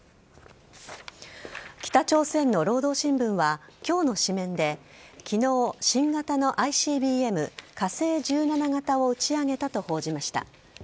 北朝鮮の労働新聞は今日の紙面で昨日、新型のＩＣＢＭ火星１７型を打ち上げたと報じました。